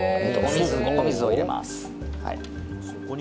お水を入れます。